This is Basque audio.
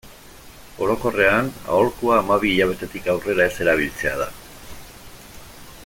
Orokorrean, aholkua hamabi hilabetetik aurrera ez erabiltzea da.